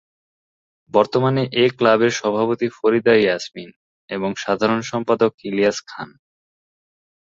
বর্তমানে এ ক্লাবের সভাপতি ফরিদা ইয়াসমিন এবং সাধারণ সম্পাদক ইলিয়াস খান।